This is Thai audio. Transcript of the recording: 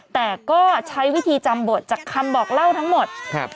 แต่ก็ใช้วิธีจำบทจากคำบอกเล่าทั้งหมดครับ